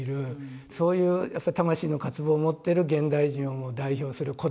そういうやっぱり魂の渇望を持ってる現代人を代表する孤独な。